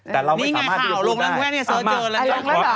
แต่เราไม่สามารถที่จะพูดได้